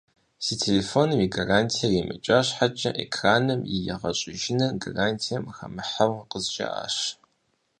Си телефоным и гарантиер имыкӏа щхьэкӏэ, экраным и егъэщӏыжыныр гарантием хэмыхьэу къызжаӏащ.